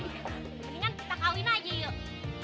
sebaiknya kita kahwin aja yuk